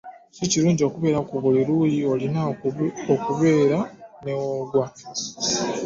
Si kirungi kubeera ku buli luuyi olina okubeera ne w'ogwa.